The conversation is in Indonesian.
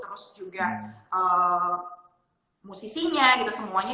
terus juga musisinya gitu semuanya